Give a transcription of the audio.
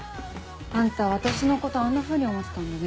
あんた私のことあんなふうに思ってたんだね。